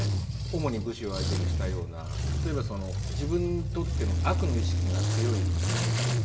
主に武士を相手にしたような例えばその自分にとっての悪の意識が強い人間たち。